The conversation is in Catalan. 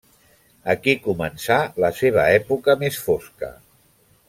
Aquí començà la seva època més fosca.